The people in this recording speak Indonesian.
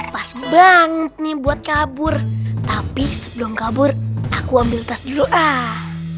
pas banget nih buat kabur tapi sebelum kabur aku ambil tas dulu ah